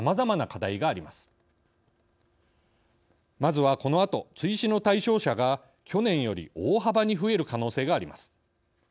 まずは、このあと追試の対象者が去年より大幅に増える可能性があります。